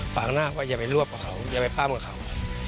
ปากหน้าว่าอย่าไปรวบกับเขาอย่าไปปั้มกับเขา